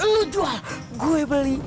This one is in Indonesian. lu jual gua beli